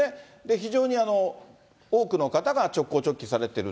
非常に多くの方が直行直帰されてる。